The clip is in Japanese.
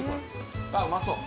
あっうまそう。